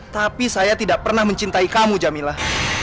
tapi saya tidak pernah mencintai kamu jamilah